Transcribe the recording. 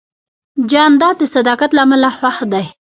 جانداد د صداقت له امله خوښ دی.